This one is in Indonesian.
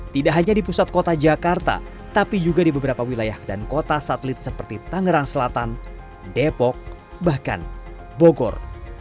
tidak hanya di pusat kota jakarta tapi juga di beberapa wilayah dan kota satelit seperti tangerang selatan depok bahkan bogor